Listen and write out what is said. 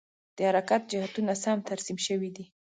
د حرکت جهتونه سم ترسیم شوي دي؟